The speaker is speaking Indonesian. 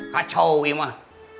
kacau ini mah